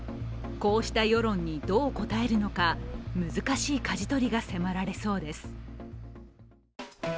こうした世論にどう応えるのか難しいかじ取りが迫られそうです。